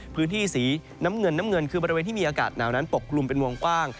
พื้นที่สีน้ำเงินน้ำเงินคือบริเวณที่มีอากาศหนาวนั้นปกกลุ่มเป็นวงกว้าง